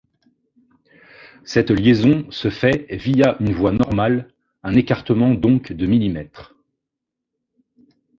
Cette liaison se fait via une voie normale, un écartement donc de mm.